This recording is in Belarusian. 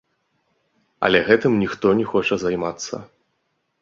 Але гэтым ніхто не хоча займацца.